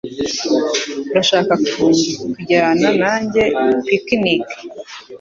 Urashaka kujyana nanjye picnic?